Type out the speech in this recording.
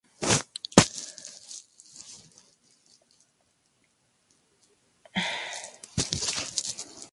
Carecen de cabeza diferenciada y de tentáculos.